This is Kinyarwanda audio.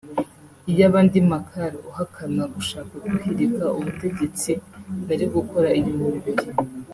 iyaba ndi Machar uhakana gushaka guhirika ubutegetsi nari gukora ibintu bibiri